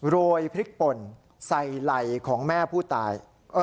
โรยพริกป่นใส่ไหล่ของแม่ผู้ตาย